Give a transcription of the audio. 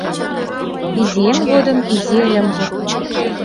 Изиэм годым изи ыльым